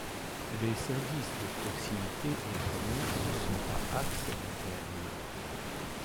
Les services de proximité et commerces sont à Ax-les-Thermes.